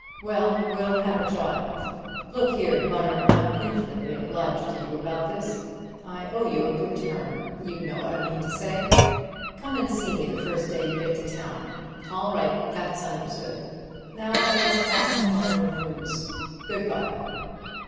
Well, we'll have a try.... Look here, Bunner, I'm infinitely obliged to you about this. I owe you a good turn. You know I mean what I say. Come and see me the first day you get to town.... All right, that's understood. Now I must act on your news. Good by."